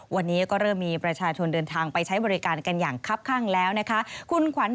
วันนี้ก็เริ่มมีประชาชนเดินทางไปใช้บริการกันอย่างคับข้างแล้วนะคะคุณขวัญ